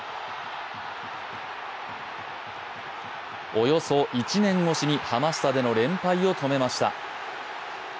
およそ１年越しにハマスタでの連敗を止めました。